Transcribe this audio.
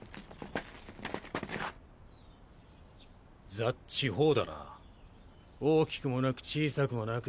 ザ・地方だな大きくもなく小さくもなく。